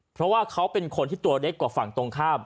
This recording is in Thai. เพราะว่าเขาเป็นคนที่ตัวเล็กกว่าฝั่งตรงข้าม